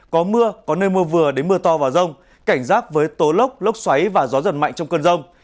có mưa có nơi mưa vừa đến mưa to và rông cảnh giác với tố lốc xoáy và gió giật mạnh trong cơn rông